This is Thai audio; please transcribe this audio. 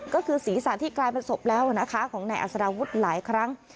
ก็คือศีรษะที่กลายเป็นศพแล้วนะคะของนายอัศดาวุฒิหลายครั้ง